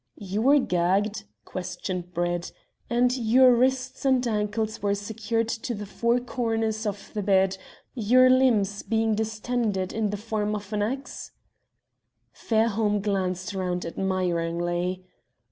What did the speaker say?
"You were gagged," questioned Brett, "and your wrists and ankles were secured to the four corners of the bed, your limbs being distended in the form of an X?" Fairholme glanced round admiringly.